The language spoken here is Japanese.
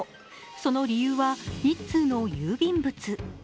その理由は、一通の郵便物。